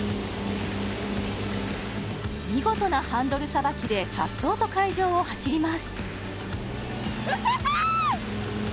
見事なハンドルさばきで颯爽と海上を走りますウハハー！